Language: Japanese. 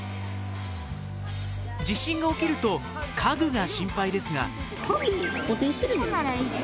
地震が起きると家具が心配ですが。